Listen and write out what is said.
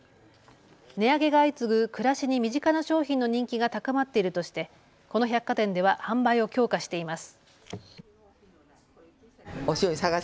値上げが相次ぐ暮らしに身近な商品の人気が高まっているとしてこの百貨店では販売を強化しています。